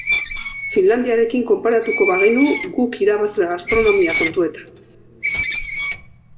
Finlandiarekin konparatuko bagenu guk irabazle gastronomia kontuetan.